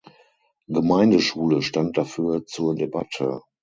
Gemeindeschule stand dafür zur Debatte.